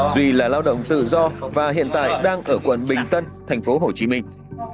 duy là lao động tự do và hiện tại đang ở quận bình tân thành phố hồ chí minh